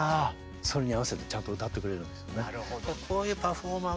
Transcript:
それに合わせてちゃんと歌ってくれるんですよね。